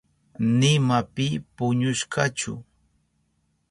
Nima pi puñushkachu.